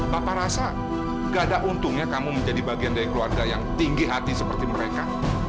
bapak rasa gak ada untungnya kamu menjadi bagian dari keluarga yang tinggi hati seperti mereka